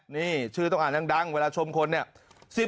นี่ชื่อต้องอ่านดังเวลาชมคนเนี่ย